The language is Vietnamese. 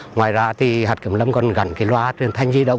ngoài ra thì hạt kiểm lâm còn gắn cái loa truyền thanh di động